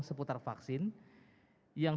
seputar vaksin yang